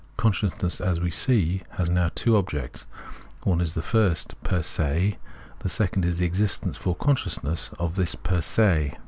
Consciousness, as we see, has now two objects ; one is the first fer se, the second is the existence for consciousness of this fer se.